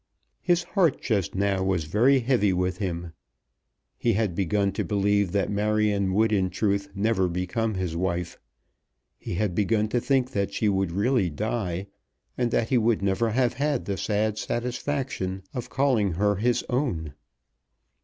His heart just now was very heavy with him. He had begun to believe that Marion would in truth never become his wife. He had begun to think that she would really die, and that he would never have had the sad satisfaction of calling her his own.